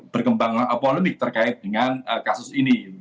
berkembang polemik terkait dengan kasus ini